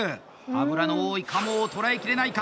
脂の多い鴨を捉えきれないか。